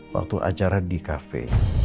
waktu acara di kafe